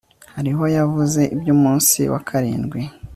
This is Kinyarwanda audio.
hari aho yavuze iby umunsi wa karindwi